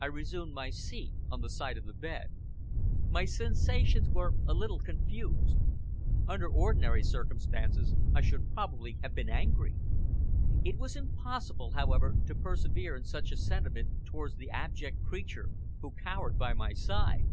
I resumed my seat on the side of the bed. My sensations were a little confused. Under ordinary circumstances, I should probably have been angry. It was impossible, however, to persevere in such a sentiment towards the abject creature who cowered by my side.